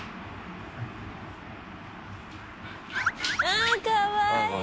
あぁかわいい！